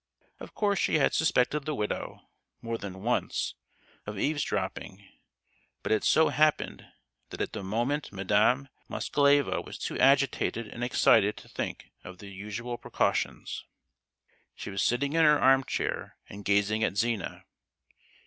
Of course she had suspected the widow—more than once—of eavesdropping; but it so happened that at the moment Madame Moskaleva was too agitated and excited to think of the usual precautions. She was sitting in her arm chair and gazing at Zina.